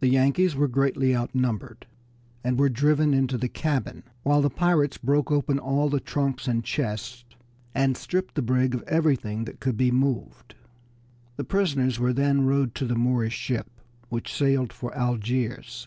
The Yankees were greatly outnumbered, and were driven into the cabin, while the pirates broke open all the trunks and chests, and stripped the brig of everything that could be moved. The prisoners were then rowed to the Moorish ship, which sailed for Algiers.